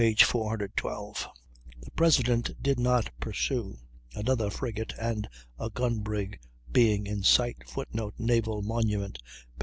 ] The President did not pursue, another frigate and a gunbrig being in sight. [Footnote: "Naval Monument," p.